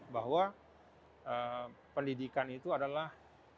bahwa pendidikan itu adalah